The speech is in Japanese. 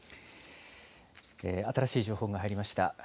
新しい情報が入りました。